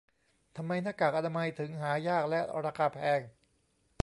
ทำไมหน้ากากอนามัยถึงหายากและราคาแพง